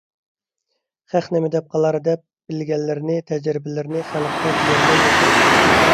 خەق نېمە دەپ قالار دەپ، بىلگەنلىرىنى، تەجرىبىلىرىنى خەلققە دېيەلمەي ياشايدۇ.